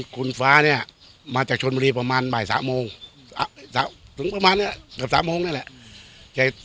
คุณฟ้าเนี่ยมาจากชนบรีประมาณใบ๓โมงถึงกับ๓โมงนี่แหละ